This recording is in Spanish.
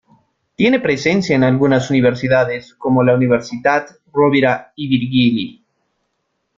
Tiene presencia en algunas universidades, como la Universitat Rovira i Virgili.